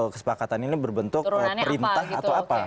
kesepakatan ini berbentuk perintah atau apa